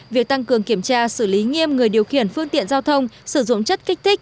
việc tăng cường kiểm tra xử lý nghiêm người điều khiển phương tiện giao thông sử dụng chất kích thích